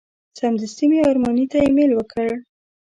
سمدستي مې ارماني ته ایمیل ورکړ.